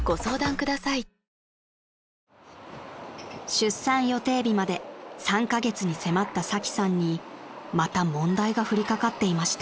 ［出産予定日まで３カ月に迫ったサキさんにまた問題が降りかかっていました］